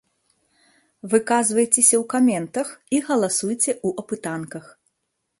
Выказвайцеся ў каментах і галасуйце ў апытанках!